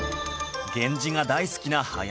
源氏が大好きな林くん